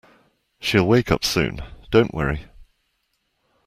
She’ll wake up soon, don't worry